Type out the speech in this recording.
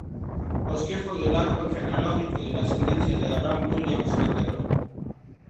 Bosquejo del Árbol genealógico de la ascendencia de Abraham Williams Calderón.